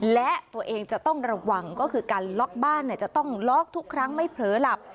และตัวเองจะต้องระวังก็คือการล็อกบ้านจะต้องล็อกทุกครั้งไม่เผลอหลับ